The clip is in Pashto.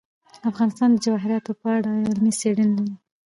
افغانستان د جواهرات په اړه علمي څېړنې لري.